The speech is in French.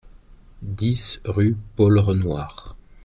dix rue Paul Renouard